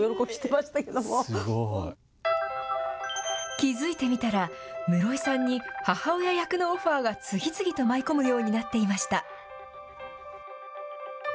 気付いてみたら、室井さんに母親役のオファーが次々と舞い込むようになっていました。